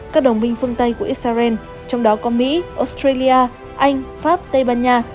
các đồng minh phương tây của israel trong đó có mỹ australia anh pháp tây ban nha